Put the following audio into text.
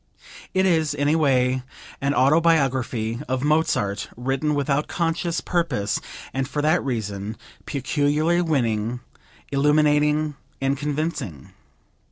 It is, in a way, an autobiography of Mozart written without conscious purpose, and for that reason peculiarly winning, illuminating and convincing.